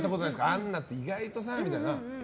アンナって意外とさ、みたいな。